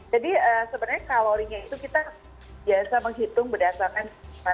jadi sebenarnya kalorinya itu kita biasa menghitung berdasarkan